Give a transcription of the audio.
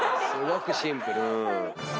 すごくシンプル。